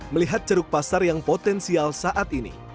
melihat ceruk pasar yang potensial saat ini